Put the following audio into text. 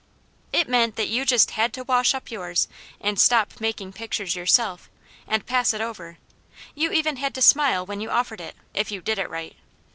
it meant that you just had to wash up yours and stop making pictures yourself, and pass it over; you even had to smile when you offered it, if you did it right.